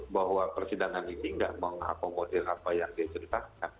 bahwa persidangan ini enggak mengakomodir apa yang diceritakan